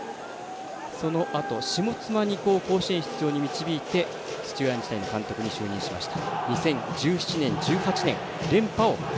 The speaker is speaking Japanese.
そのあと下妻二高校を甲子園に導いて土浦日大の監督に就任しました。